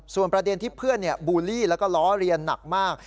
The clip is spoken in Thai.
ส่วนประเด็นที่เพื่อนบูลลี่แล้วก็ล้อเรียนหนักมาก